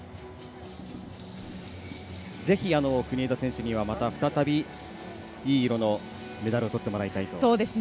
ぜひ国枝選手にはまた、再びいい色のメダルをとってもらいたいと。